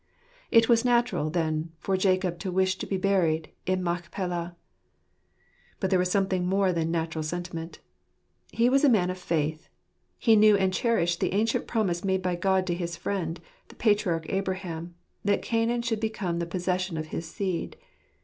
It was natural, then, for Jacob to wish to be buried in Machpelah. But there ivas something more than natural sentiment. He was a man of faith. He knew and cherished the ancient promise made by God to His friend, the patriarch Abraham, that Canaan should become the possession of his seed.